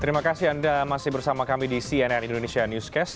terima kasih anda masih bersama kami di cnn indonesia newscast